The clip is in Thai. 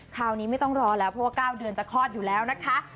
คราวนี้ไม่ต้องรอแล้วเพราะว่า๙เดือนจะคลอดอยู่แล้วนะคะ